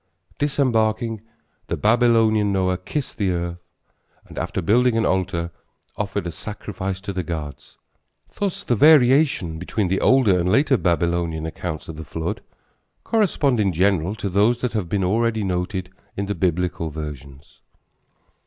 Disembarking, the Babylonian Noah kissed the earth and, after building an altar, offered a sacrifice to the gods. Thus the variations between the older and later Babylonian accounts of the flood correspond in general to those that have been already noted in the Biblical versions.